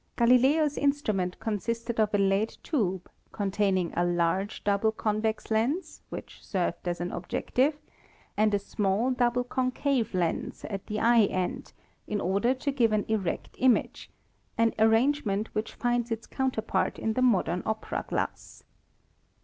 Galileo's instrument consisted of a lead tube containing a large double convex lens, which served as an objective, and a small double concave lens at the eye end in order to give an erect image — an arrange ment which finds its counterpart in the modern opera glass.